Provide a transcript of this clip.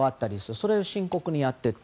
それは深刻にやっていて。